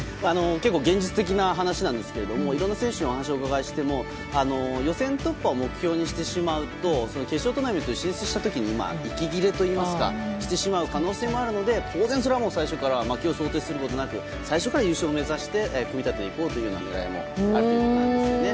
結構、現実的な話なんですがいろんな選手にお話をお伺いしても予選突破を目標にしてしまうと決勝トーナメントに進出した時に息切れしてしまう可能性もあるので当然それは最初から負けを想定することなく最初から優勝を目指して組み立てていこうという狙いもあるということです。